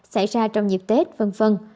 xảy ra trong dịp tết v v